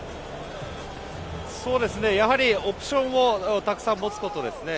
やはり、オプションをたくさん持つことですね。